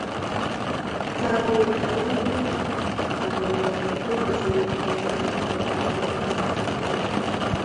Kaguyetab magutik ab olindet komuchi koek taunetab boratet nebo tuguk chekiboishee